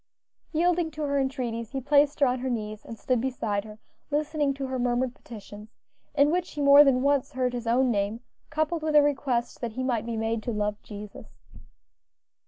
Yielding to her entreaties, he placed her on her knees, and stood beside her, listening to her murmured petitions, in which he more than once heard his own name coupled with a request that he might be made to love Jesus.